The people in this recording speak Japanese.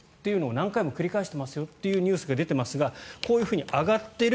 何回も繰り返してますよというニュースが出てますがこういうふうに上がってる。